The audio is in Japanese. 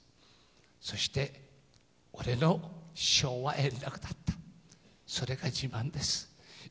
そして、俺の師匠は圓楽だった、それが自慢です。